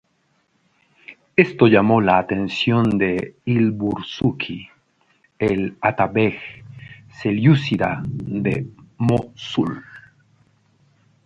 Esto llamó la atención de il-Bursuqi, el atabeg selyúcida de Mosul.